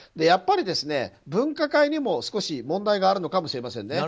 やっぱり、分科会にも少し問題があるかもしれません。